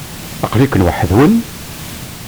Aqli-ken waḥd-nwen?